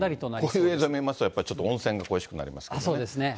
こういう映像見ますと、やっぱ温泉恋しくなりますけどね。